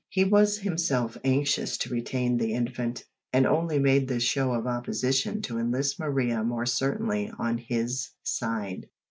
He was himself anxious to retain the infant, and only made this show of opposition to enlist Maria more certainly on his side.